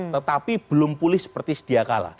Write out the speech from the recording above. tetapi belum pulih seperti sedia kala